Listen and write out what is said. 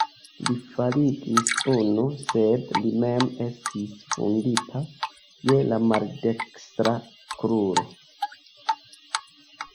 Li faligis unu, sed li mem estis vundita je la maldekstra kruro.